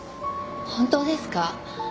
本当ですか？